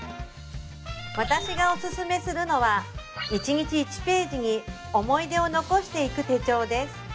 私がおすすめするのは一日１ページに思い出を残していく手帳です